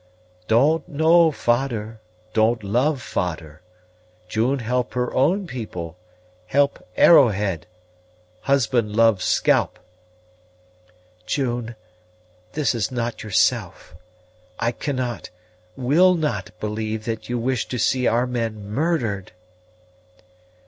"Don't know fader, don't love fader. June help her own people, help Arrowhead husband love scalp." "June, this is not yourself. I cannot, will not believe that you wish to see our men murdered!"